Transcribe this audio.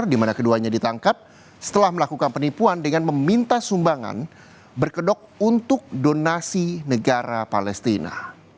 di mana keduanya ditangkap setelah melakukan penipuan dengan meminta sumbangan berkedok untuk donasi negara palestina